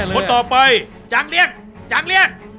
คนต่อไปจางเลี่ยงจางเลี่ยง